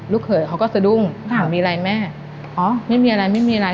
เขยเขาก็สะดุ้งถามมีอะไรแม่อ๋อไม่มีอะไรไม่มีอะไร